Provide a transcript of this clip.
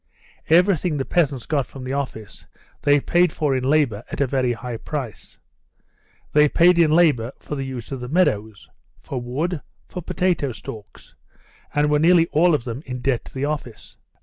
Everything the peasants got from the office they paid for in labour at a very high price. They paid in labour for the use of the meadows, for wood, for potato stalks, and were nearly all of them in debt to the office.